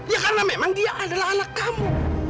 ya karena memang dia adalah anak kamu